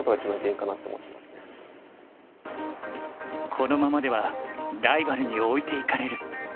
このままではライバルに置いていかれる。